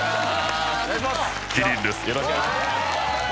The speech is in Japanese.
よろしくお願いします